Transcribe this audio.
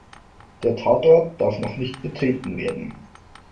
Der Tatort darf noch nicht betreten werden.